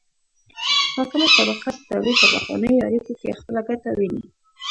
حاکمه طبقه د تولید په پخوانیو اړیکو کې خپله ګټه ویني.